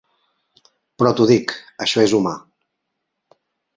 Però t'ho dic - això és humà.